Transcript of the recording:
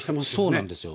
そうなんですよ。